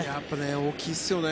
大きいですよね。